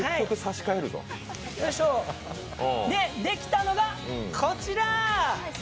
で、できたのがこちら！